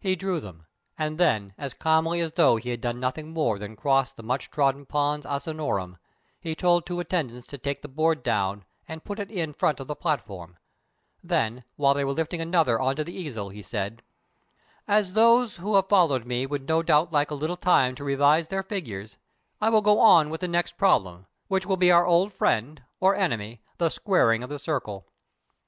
He drew them, and then, as calmly as though he had done nothing more than cross the much trodden pons asinorum, he told two attendants to take the board down and put it in front of the platform; then, while they were lifting another on to the easel, he said: "As those who have followed me would no doubt like a little time to revise the figures, I will go on with the next problem, which will be our old friend, or enemy, the squaring of the circle."